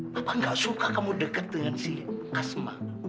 bapak gak suka kamu deket dengan sili asma